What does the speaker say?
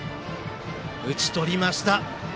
打ち取りました。